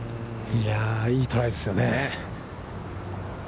いやあ、いいトライですよね。